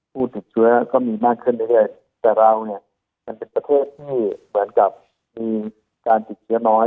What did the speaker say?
ผู้ถึกเชื้อก็มีมากขึ้นเรื่อยแต่เราเนี่ยศาลในประเทศที่เหมือนกับมีการสัมพันธ์ยังน้อย